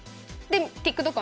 ＴｉｋＴｏｋ